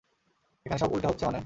এখানে সব উল্টা হচ্ছে মানে?